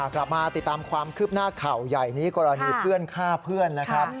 กลับมาติดตามความคืบหน้าข่าวใหญ่นี้กรณีเพื่อนฆ่าเพื่อนนะครับ